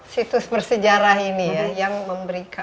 situs bersejarah ini